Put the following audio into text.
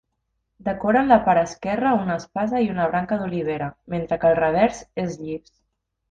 Decoren la part esquerra una espasa i una branca d'olivera, mentre que el revers és llis.